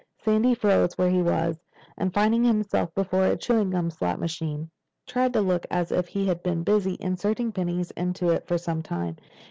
Sandy froze where he was and, finding himself before a chewing gum slot machine, tried to look as if he had been busy inserting pennies into it for some time.